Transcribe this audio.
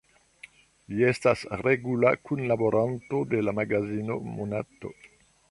Li estas regula kunlaboranto de la magazino "Monato".